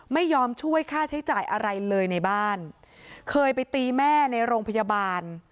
ไม่ยอมช่วยค่าใช้จ่ายอะไรเลยในบ้านเคยไปตีแม่ในโรงพยาบาล